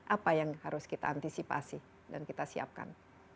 apa yang harus kita antisipasi dan kita siapkan